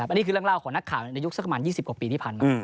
อันนี้คือเรื่องเล่าของนักข่าวในยุคสักประมาณ๒๐กว่าปีที่ผ่านมา